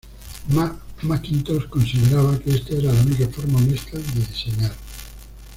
Mackintosh consideraba que esta era la única forma honesta de diseñar.